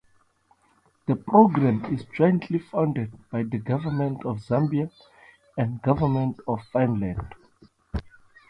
The programme is jointly funded by the Government of Zambia and Government of Finland.